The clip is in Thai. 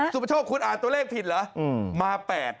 ประโชคคุณอ่านตัวเลขผิดเหรอมา๘